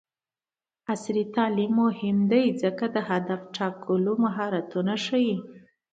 عصري تعلیم مهم دی ځکه چې د هدف ټاکلو مهارتونه ښيي.